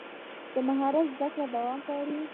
د مهارت زده کړه دوام غواړي.